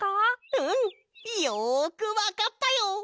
うん！よくわかったよ！